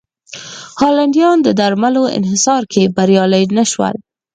هالنډیان د درملو انحصار کې بریالي نه شول.